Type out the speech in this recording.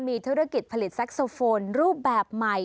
มีธุรกิจผลิตแซ็กโซโฟนรูปแบบใหม่